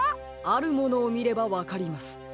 あるものをみればわかります。